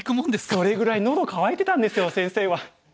それぐらいのど渇いてたんですよ先生は。